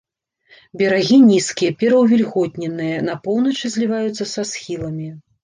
Берагі нізкія, пераўвільготненыя, на поўначы зліваюцца са схіламі.